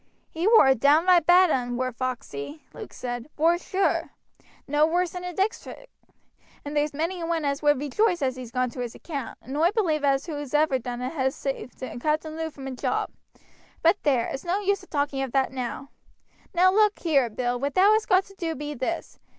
"He war a downright bad 'un war Foxey," Luke said, "vor sure. No worse in the district, and there's many a one as would rejoice as he's gone to his account, and oi believe as whoever's done it has saved Captain Lud from a job; but there, it's no use a talking of that now. Now, look here, Bill, what thou hast got to do be this.